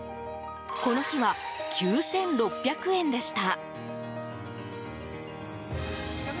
この日は９６００円でした。